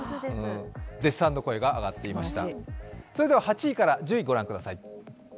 絶賛の声が上っていました。